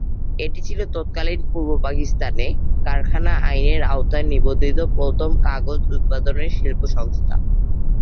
এটি ছিল তৎকালীন পূর্ব পাকিস্তানে, কারখানা আইনের আওতায় নিবন্ধিত প্রথম কাগজ উৎপাদনের শিল্প সংস্থা।